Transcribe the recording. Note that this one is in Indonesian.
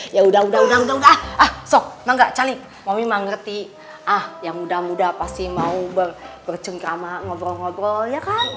ya udah udah udah ah sok mami mah ngerti ah yang muda muda pasti mau bercengkrama ngobrol ngobrol ya kan